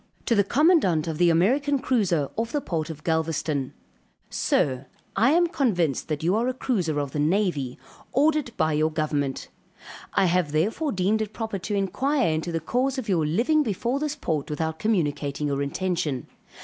To the commandant of the American cruiser, off the port of Galvezton. Sir I am convinced that you are a cruiser of the navy, ordered by your government. I have therefore deemed it proper to inquire into the cause of your living before this port without communicating your intention.